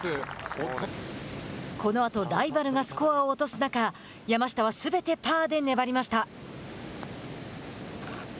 このあとライバルがスコアを落とす中山下はすべてパーで粘りました。